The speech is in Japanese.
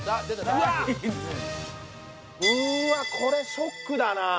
うーわこれショックだな。